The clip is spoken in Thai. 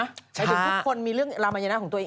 หมายถึงทุกคนมีเรื่องรามายนะของตัวเอง